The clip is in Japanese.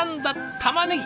たまねぎ？